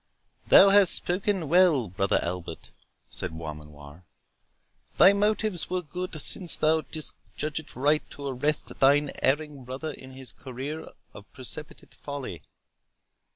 "Thou hast spoken well, Brother Albert," said Beaumanoir; "thy motives were good, since thou didst judge it right to arrest thine erring brother in his career of precipitate folly.